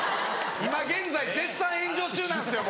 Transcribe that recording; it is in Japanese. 今現在絶賛炎上中なんすよ